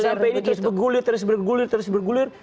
sampai ini terus bergulir terus bergulir terus bergulir